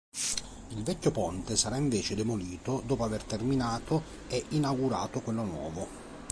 Il vecchio ponte sarà invece demolito dopo aver terminato e inaugurato quello nuovo.